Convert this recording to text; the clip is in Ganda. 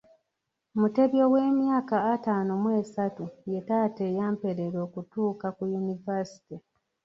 Mutebi ow’emyaka ataano mu esatu ye taata eyampeerera okutuukaku Yunivaasite.